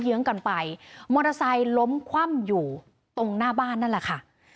เยื้องกันไปมอเตอร์ไซค์ล้มคว่ำอยู่ตรงหน้าบ้านนั่นแหละค่ะ